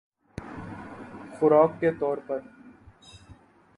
خوراک کے طور پر